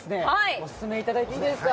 オススメいただいてよろしいですか？